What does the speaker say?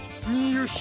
よし！